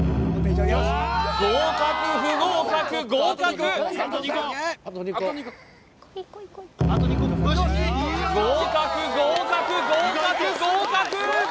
合格不合格合格合格合格合格合格！